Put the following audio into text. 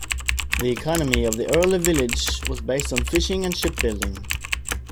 The economy of the early village was based on fishing and ship building.